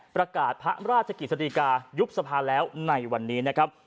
ประกาศพระราชกิจสดีกายุบสภาแล้วในวันนี้นะครับ